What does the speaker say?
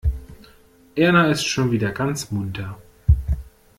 Erna ist schon wieder ganz munter.